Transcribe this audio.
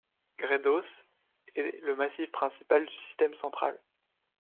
Gredos est le massif principal du Système central.